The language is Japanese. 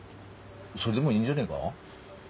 それでもいいんじゃねえが？